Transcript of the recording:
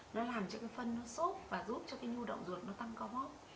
nó làm cho cái phân nó sốt và giúp cho cái nhu động ruột nó tăng có hốp